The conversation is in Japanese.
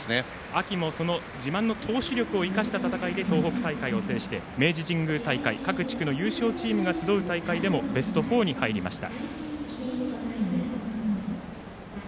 秋も自慢の投手力を生かした戦いで、東北大会を制して明治神宮大会という各地区の優勝チームが集う大会でもベスト４に入りました。